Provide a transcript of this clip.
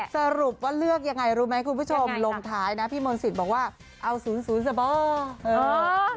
สรุปว่าเลือกอย่างไรรู้ไหมคุณผู้ชมลงท้ายนะพี่มณศิษฐ์บอกว่าเอา๐๐สะบอก